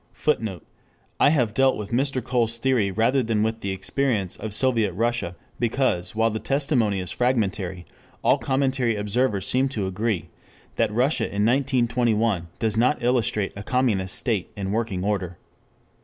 [Footnote: I have dealt with Mr. Cole's theory rather than with the experience of Soviet Russia because, while the testimony is fragmentary, all competent observers seem to agree that Russia in 1921 does not illustrate a communist state in working order.